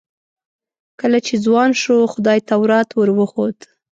کله چې ځوان شو خدای تورات ور وښود.